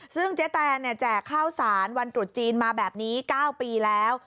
ซึ่งเจ๊แตนแจกข้าวสารวันตรุษจีนมาแบบนี้๙ปีแล้ว